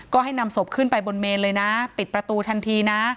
ก็ให้นำศพขึ้นไปบนเมนเลยนะปิดประตูทันทีนะ